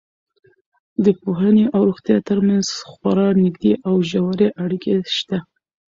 د پوهنې او روغتیا تر منځ خورا نږدې او ژورې اړیکې شته.